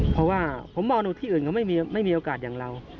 เพราะว่าผมมองดูที่อื่นเขาไม่มีโอกาสอย่างเรา